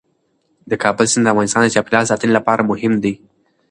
د کابل سیند د افغانستان د چاپیریال ساتنې لپاره مهم دی.